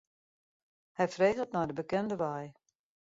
Hy freget nei de bekende wei.